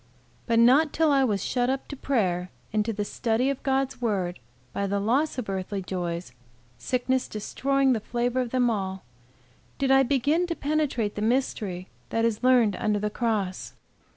But not till I was shut up to prayer and to the study of Gods word by the loss of earthly joys, sickness destroying the flavor of them all, did I begin to penetrate the mystery that is learned under the cross.